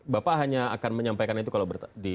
bapak hanya akan menyampaikan itu kalau di